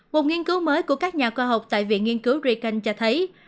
một nghiên cứu mới của các nhà khoa học tại viện nghiên cứu recan cho thấy